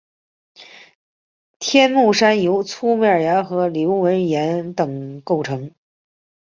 天目山由粗面岩和流纹岩等构成。